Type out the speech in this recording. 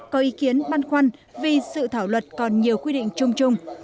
có ý kiến băn khoăn vì sự thảo luật còn nhiều quy định chung chung